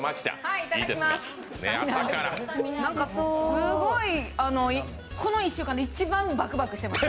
すごいこの１週間で一番バクバクしてます。